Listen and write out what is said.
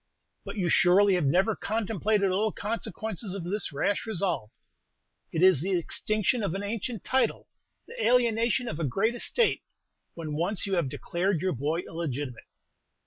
"But you surely have never contemplated all the consequences of this rash resolve. It is the extinction of an ancient title, the alienation of a great estate, when once you have declared your boy illegitimate."